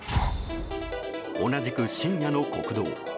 同じく深夜の国道。